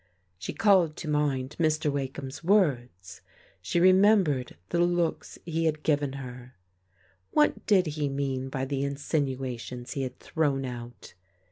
She called to mind Mr. Wakeham's words. She remembered the looks he had given her. What did he mean by the in sinuations he had thrown out